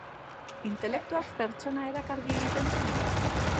Intelektoak pertsona erakargarri egiten du?